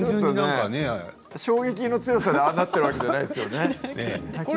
衝撃のすごさでああなっているわけじゃないんですよね。